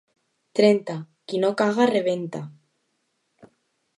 Trenta: qui no caga rebenta.